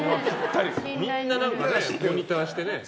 みんなモニターしてね。